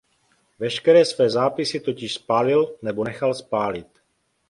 Veškeré své zápisy totiž spálil nebo nechal spálit.